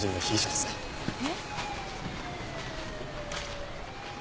えっ？